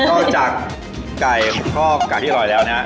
ก็จากไก่ก็ไก่ที่อร่อยแล้วนะครับ